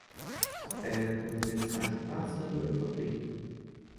Sper că ne veți ajuta să-l înfăptuim.